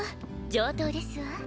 上等ですわ。